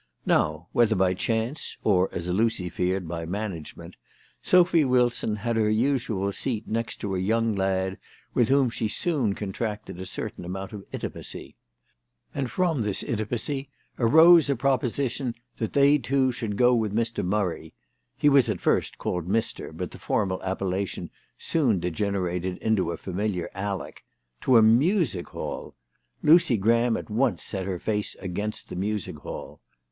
Now, whether by chance, or as Lucy feared by management, Sophy Wilson had her usual seat next to a young lad with whom she soon contracted a certain amount of intimacy. And from this intimacy arose a proposition that they two should go with Mr. Murray, he was at first called Mister, but the formal appellation soon degenerated into a familiar Alec, to a Music Hall ! Lucy Graham at once set her face against the Music Hall.